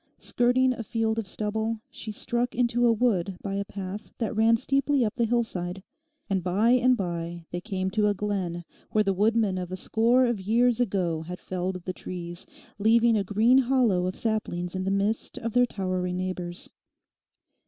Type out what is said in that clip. Skirting a field of stubble, she struck into a wood by a path that ran steeply up the hillside. And by and by they came to a glen where the woodmen of a score of years ago had felled the trees, leaving a green hollow of saplings in the midst of their towering neighbours.